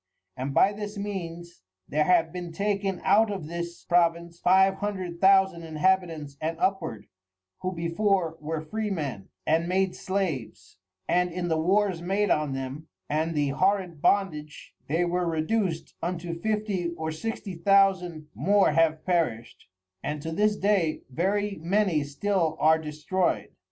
And by this means, there have been taken out of this Province Five Hundred Thousand Inhabitants and upward, who before were Freemen, and made Slaves, and in the Wars made on them, and the horrid Bondage they were reduc'd unto Fifty or Sixty Thousand more have perished, and to this day very many still are destroy'd.